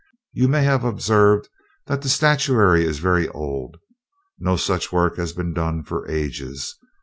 You may have observed that the statuary is very old. No such work has been done for ages.